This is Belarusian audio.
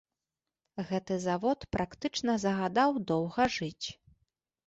Гэты завод практычна загадаў доўга жыць.